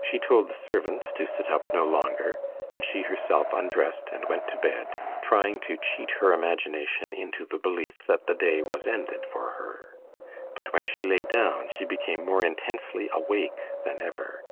She told the servants to sit up no longer, and she herself undressed and went to bed, trying to cheat her imagination into the belief that the day was ended for her. But when she lay down, she became more intensely awake than ever.